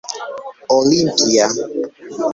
olimpia